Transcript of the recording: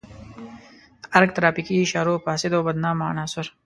د ارګ ترافیکي اشارو فاسد او بدنامه عناصر.